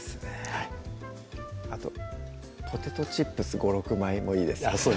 はいあとポテトチップス５６枚もいいですよね